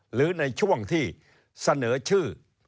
หรือในช่วงที่เสนอชื่อ